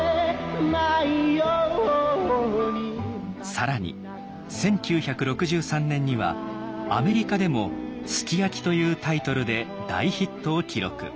更に１９６３年にはアメリカでも「Ｓｕｋｉｙａｋｉ」というタイトルで大ヒットを記録。